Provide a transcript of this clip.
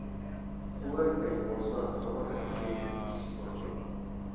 قۇۋۋەت زەئىپ بولسا، تومۇر ھەرىكىتى كىچىك بولىدۇ.